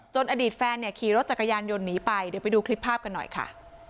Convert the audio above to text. อดีตแฟนเนี่ยขี่รถจักรยานยนต์หนีไปเดี๋ยวไปดูคลิปภาพกันหน่อยค่ะ